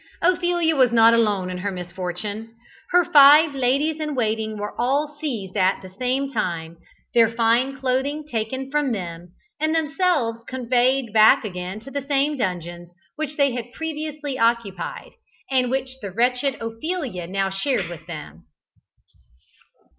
Ophelia was not alone in her misfortune. Her five ladies in waiting were all seized at the same time, their fine clothing taken from them, and themselves conveyed back again to the same dungeons which they had previously occupied, and which the wretched Ophelia now shared with them.